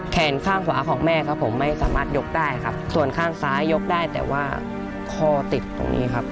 แขนข้างขวาของแม่ครับผมไม่สามารถยกได้ครับส่วนข้างซ้ายยกได้แต่ว่าคอติดตรงนี้ครับ